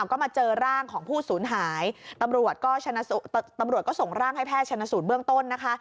ก็มาเจอร่างของผู้ศูนย์หายตำรวจก็ส่งร่างให้แพทย์ชนัสูทเบื้องต้นนะคะ